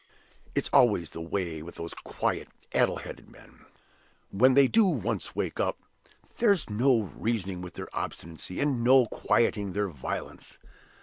It's always the way with those quiet addle headed men: when they do once wake up, there's no reasoning with their obstinacy, and no quieting their violence.